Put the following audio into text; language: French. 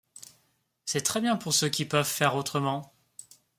C’est très bien pour ceux qui peuvent faire autrement!